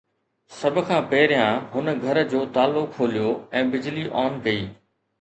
سڀ کان پهريان هن گهر جو تالا کوليو ۽ بجلي آن ڪئي.